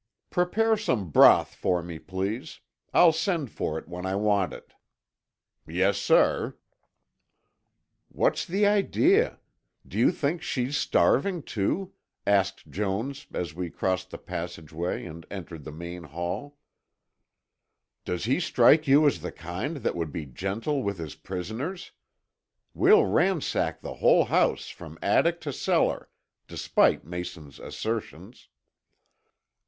"Prepare some broth for me, please. I'll send for it when I want it." "Yes, sir." "What's the idea? Do you think she's starving, too?" asked Jones, as we crossed the passageway and entered the main hall. "Does he strike you as the kind that would be gentle with his prisoners? We'll ransack the whole house from attic to cellar, despite Mason's assertions."